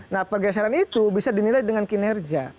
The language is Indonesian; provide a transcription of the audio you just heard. nah pergeseran itu bisa dinilai dengan kinerja